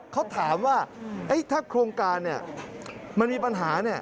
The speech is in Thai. เขาถามว่าถ้าโครงการมันมีปัญหา